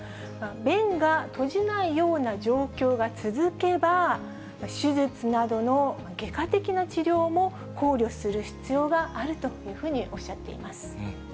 弁が閉じないような状況が続けば、手術などの外科的な治療も考慮する必要があるというふうにおっしゃっています。